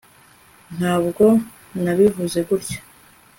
ntabwo nabivuze gutya